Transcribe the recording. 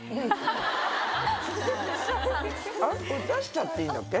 これ出しちゃっていいんだっけ？